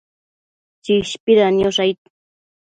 Chishpida niosh aid